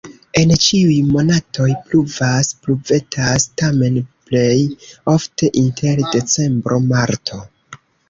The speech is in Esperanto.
En ĉiuj monatoj pluvas-pluvetas, tamen plej ofte inter decembro-marto.